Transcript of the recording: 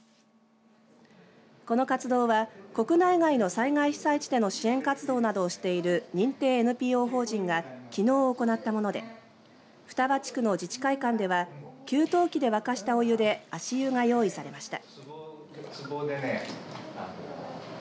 この活動は、国内外の災害被災地での支援活動などをしている認定ＮＰＯ法人がきのう行ったもので双葉地区の自治会館では給湯器で沸かしたお湯で足湯が用意されました。